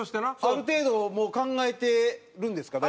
ある程度もう考えてるんですか？